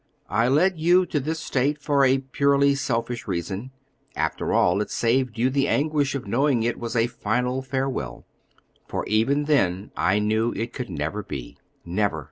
I led you to this state for a purely selfish reason. After all, it saved you the anguish of knowing it was a final farewell; for even then I knew it could never be. Never!